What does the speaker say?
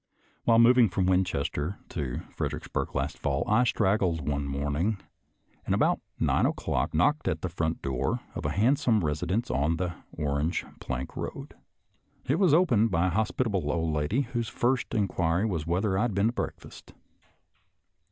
While moving from Winchester to Fredericksburg last fall, I straggled one morning, and about nine o'clock knocked at the front door of a handsome residence on the Orange Plank road. It was opened by a hospitable old lady whose first in quiry was whether I had been to breakfast.